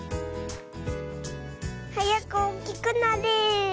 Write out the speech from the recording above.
はやくおおきくなれ！